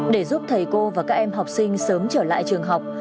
để giúp thầy cô và các em học sinh sớm trở lại trường học